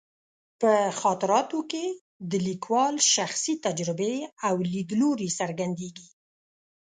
په خاطراتو کې د لیکوال شخصي تجربې او لیدلوري څرګندېږي.